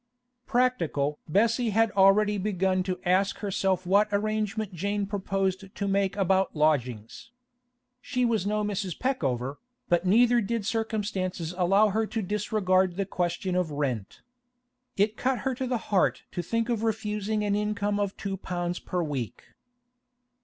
Practical Bessie had already begun to ask herself what arrangement Jane proposed to make about lodgings. She was no Mrs. Peckover, but neither did circumstances allow her to disregard the question of rent. It cut her to the heart to think of refusing an income of two pounds per week.